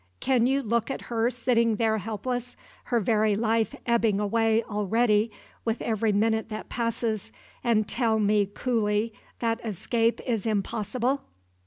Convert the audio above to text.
can you look at her sitting there helpless, her very life ebbing away already with every minute that passes, and tell me coolly that escape is impossible?"